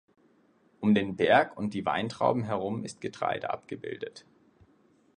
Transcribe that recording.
Um den Berg und die Weintrauben herum ist Getreide abgebildet.